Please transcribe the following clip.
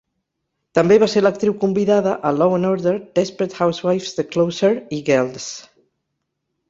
També va ser l'actriu convidada a "Law and Order", "Desperate Housewives", "The Closer" i "Girls".